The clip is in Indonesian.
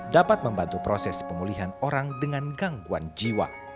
dapat membantu proses pemulihan orang dengan gangguan jiwa